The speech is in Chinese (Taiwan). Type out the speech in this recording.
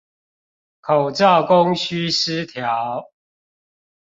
口罩供需失調